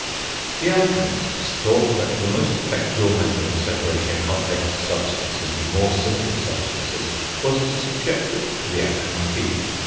The alchemists thought that the most effectual method of separating a complex substance into more simple substances was to subject it to the action of heat.